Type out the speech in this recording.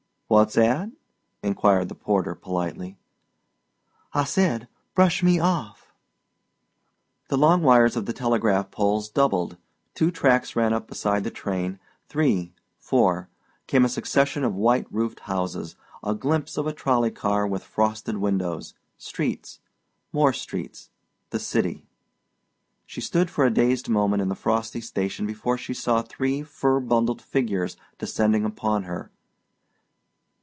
"What's 'at?" inquired the porter politely. "I said: 'Brush me off.'" The long wires of the telegraph poles doubled, two tracks ran up beside the train three four; came a succession of white roofed houses, a glimpse of a trolley car with frosted windows, streets more streets the city. She stood for a dazed moment in the frosty station before she saw three fur bundled figures descending upon her.